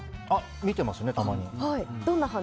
見てますね、たまに。